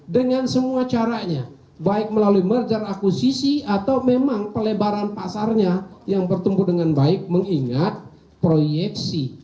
dengan semua caranya baik melalui merger akusisi atau memang pelebaran pasarnya yang bertumbuh dengan baik mengingat proyeksi